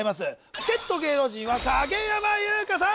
助っ人芸能人は影山優佳さん